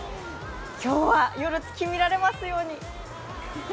今日は夜、月が見られますように。